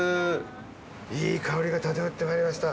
いい香りがただよってまいりました。